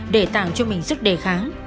để tạo cho mình sức đề kháng